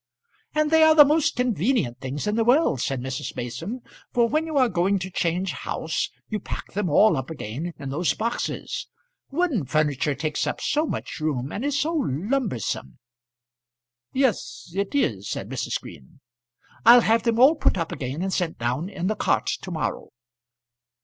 "And they are the most convenient things in the world," said Mrs. Mason, "for when you are going to change house you pack them all up again in those boxes. Wooden furniture takes up so much room, and is so lumbersome." "Yes, it is," said Mrs. Green. "I'll have them all put up again and sent down in the cart to morrow."